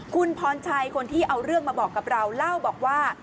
คุณพรชัยคนที่เอาเรื่องมาบอกกับเราเล่าบอกว่า